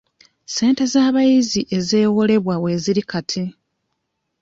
Ssente z'abayizi ezeewolebwa weeziri kati.